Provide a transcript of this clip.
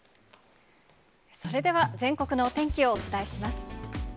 それでは全国のお天気をお伝えします。